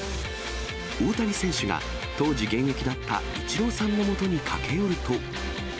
大谷選手が、当時、現役だったイチローさんのもとに駆け寄ると。